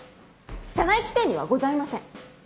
社内規定にはございません。